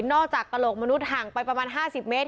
กระโหลกมนุษย์ห่างไปประมาณ๕๐เมตร